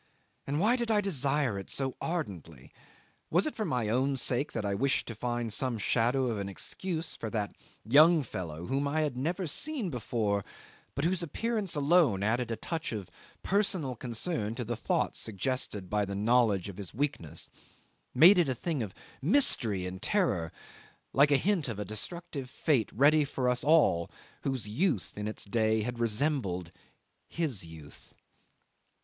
and why did I desire it so ardently? Was it for my own sake that I wished to find some shadow of an excuse for that young fellow whom I had never seen before, but whose appearance alone added a touch of personal concern to the thoughts suggested by the knowledge of his weakness made it a thing of mystery and terror like a hint of a destructive fate ready for us all whose youth in its day had resembled his youth?